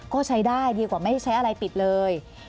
ก็ใช้ได้ดีกว่าไม่ใช้อะไรปิดเลย